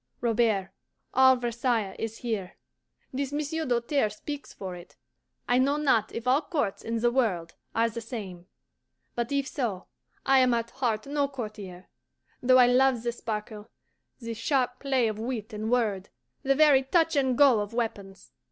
Robert, all Versailles is here. This Monsieur Doltaire speaks for it. I know not if all courts in the world are the same, but if so, I am at heart no courtier; though I love the sparkle, the sharp play of wit and word, the very touch and go of weapons.